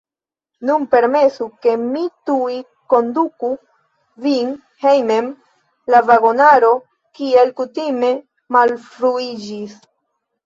Nun permesu, ke mi tuj konduku vin hejmen; la vagonaro, kiel kutime, malfruiĝis.